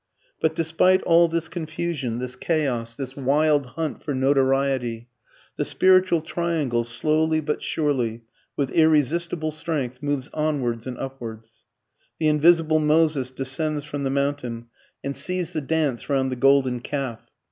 But despite all this confusion, this chaos, this wild hunt for notoriety, the spiritual triangle, slowly but surely, with irresistible strength, moves onwards and upwards. The invisible Moses descends from the mountain and sees the dance round the golden calf.